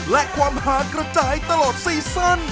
และความหากระจายตลอดซีซั่น